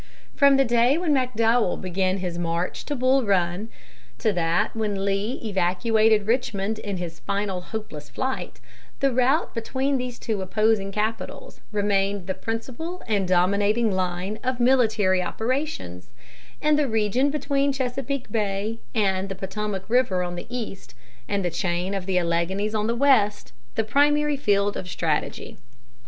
From the day when McDowell began his march to Bull Run, to that when Lee evacuated Richmond in his final hopeless flight, the route between these two opposing capitals remained the principal and dominating line of military operations, and the region between Chesapeake Bay and the Potomac River on the east, and the chain of the Alleghanies on the west, the primary field of strategy.